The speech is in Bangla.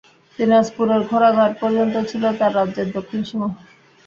দিনাজপুরের ঘোড়াঘাট পর্যন্ত ছিল তার রাজ্যর দক্ষিণ সীমা।